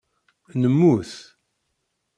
Nemmut.